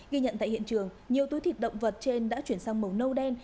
ghi nhận tại hiện trường nhiều túi thịt động vật trên đã chuyển sang màu nâu đen